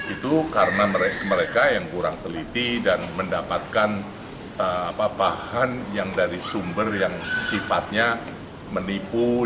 itu karena mereka yang kurang teliti dan mendapatkan bahan yang dari sumber yang sifatnya menipu